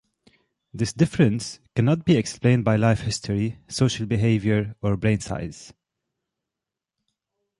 This difference cannot be explained by life history, social behaviour or brain size.